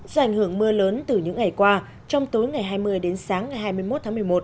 do ảnh hưởng mưa lớn từ những ngày qua trong tối ngày hai mươi đến sáng ngày hai mươi một tháng một mươi một